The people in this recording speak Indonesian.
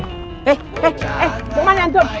eh eh eh dimana antum